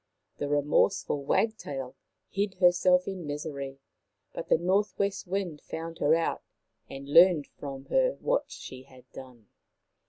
The remorseful wagtail hid herself in misery, but the North west Wind found her out and learned from her what she had done.